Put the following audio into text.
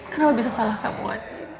kenapa bisa salah kamu aja